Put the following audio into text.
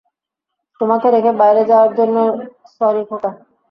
তোমাকে রেখে বাইরে যাওয়ার জন্য সরি, খোকা!